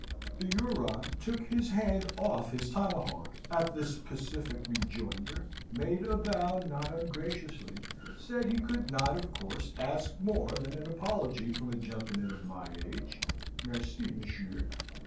"The Huron took his hand off his tomahawk at this pacific rejoinder, made a bow not ungraciously, said he could not, of course, ask more than an apology from a gentleman of my age (Merci, monsieur!)